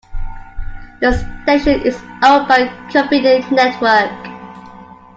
The station is owned by Covenant Network.